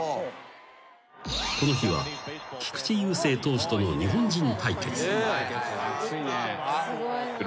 ［この日は菊池雄星投手との日本人対決］